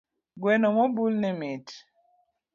Gweno mobul ni mit